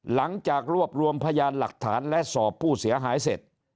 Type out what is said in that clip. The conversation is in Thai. หลังจากรวบรวมพยานหลักฐานและสอบผู้เสียหายเสร็จ